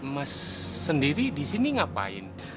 mas sendiri disini ngapain